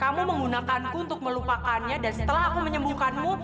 kamu menggunakanku untuk melupakannya dan setelah aku menyembuhkanmu